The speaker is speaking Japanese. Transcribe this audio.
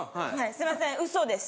すいませんウソです。